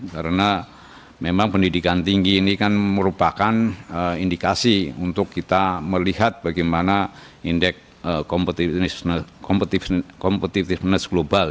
karena memang pendidikan tinggi ini kan merupakan indikasi untuk kita melihat bagaimana indeks competitiveness global